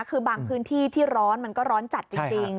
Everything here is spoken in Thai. คือบางพื้นที่ที่ร้อนมันก็ร้อนจัดจริง